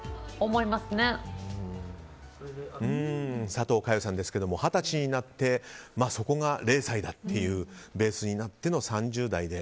佐藤かよさんですが二十歳になってそこが０歳だというベースになっての３０代で。